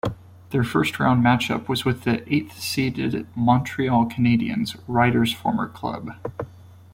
Their first round matchup was with the eighth seeded Montreal Canadiens, Ryder's former club.